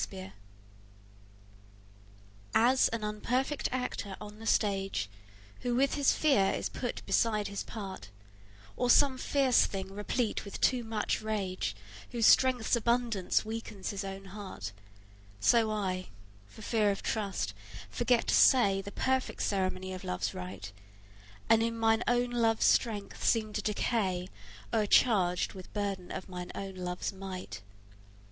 XXIII As an unperfect actor on the stage, Who with his fear is put beside his part, Or some fierce thing replete with too much rage, Whose strength's abundance weakens his own heart; So I, for fear of trust, forget to say The perfect ceremony of love's rite, And in mine own love's strength seem to decay, O'ercharg'd with burthen of mine own love's might.